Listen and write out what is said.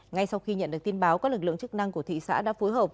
ngay sau khi nhận được tin báo các lực lượng chức năng của thị xã đã phối hợp